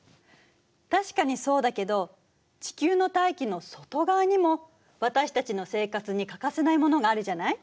確かにそうだけど地球の大気の外側にも私たちの生活に欠かせないものがあるじゃない。